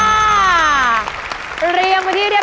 อุปกรณ์ทำสวนชนิดใดราคาถูกที่สุด